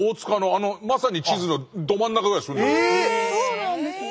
そうなんですね。